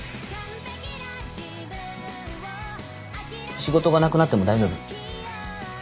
仕事がなくなっても大丈夫。